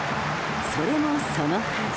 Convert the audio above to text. それもそのはず。